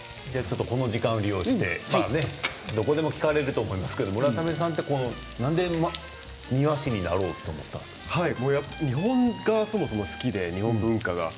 この時間を利用してどこでも聞かれると思うんですけど、村雨さんはなんで庭師になろうと日本がそもそも好きで日本文化が。